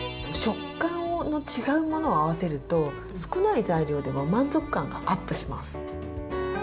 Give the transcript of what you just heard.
食感の違うものを合わせると少ない材料でも満足感がアップします。